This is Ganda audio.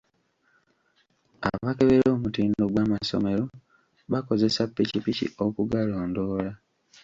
Abakebera omutindo gw'amasomero bakozesa ppikippiki okugalondoola.